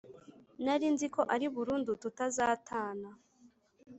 Narinziko ari burundu tutazatana